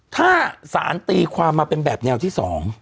ถ้าสารตีความมาเป็นแบบแนวที่๒